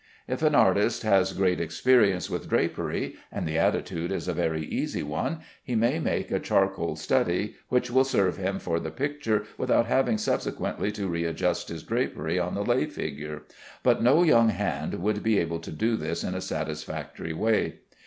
If an artist has great experience with drapery, and the attitude is a very easy one, he may make a charcoal study which will serve him for the picture without having subsequently to readjust his drapery on the lay figure, but no young hand would be able to do this in a satisfactory way.